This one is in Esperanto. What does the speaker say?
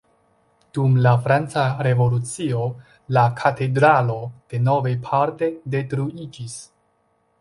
Dum la Franca Revolucio la katedralo denove parte detruiĝis.